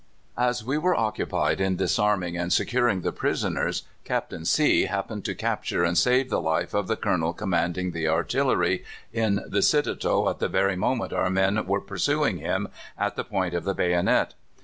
As we were occupied in disarming and securing the prisoners Captain C happened to capture and save the life of the Colonel commanding the artillery in the citadel at the very moment our men were pursuing him at the point of the bayonet.